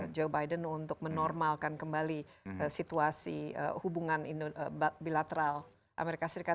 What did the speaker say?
joe biden untuk menormalkan kembali situasi hubungan bilateral amerika serikat